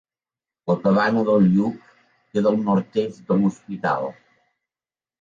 La Cabana del Lluc queda al nord-est de l'Hospital.